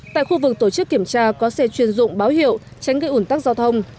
tại khu vực tổ chức kiểm tra có xe chuyên dụng báo hiệu tránh gây ủn tắc giao thông